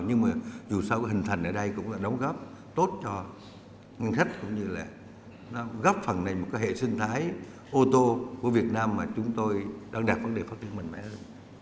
nhưng mà dù sao hình thành ở đây cũng đã đóng góp tốt cho ngân sách cũng như là góp phần này một hệ sinh thái ô tô của việt nam mà chúng tôi đang đạt vấn đề phát triển mạnh mẽ hơn